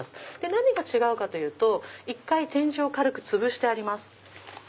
何が違うかというと１回点字を軽くつぶしてあります。